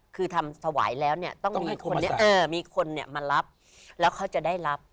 คือทำถวายแล้วเนี่ยต้องมีคนเนี่ยมารับแล้วเขาจะได้รับ